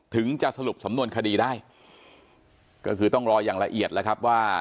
ถึงจะสรุปสำนวนคดีได้ก็คือต้องรออย่างละเอียดแล้วครับว่า